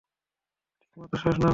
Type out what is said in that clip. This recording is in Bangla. ঠিকমত শ্বাস নাও।